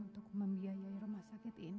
untuk membiayai rumah sakit ini